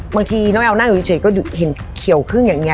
บางทีน้องแอลนั่งอยู่เฉยก็เห็นเขียวครึ่งอย่างนี้